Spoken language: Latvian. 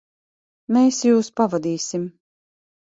Mēs jūs pavadīsim.